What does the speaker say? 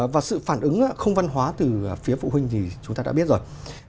và sự phản ứng không văn hóa từ phía phụ huynh thì chúng ta đã biết rồi